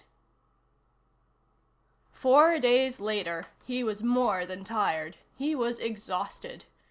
8 Four days later, he was more than tired. He was exhausted.